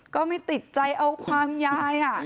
ก็ไม่ติดใจเอาความยาย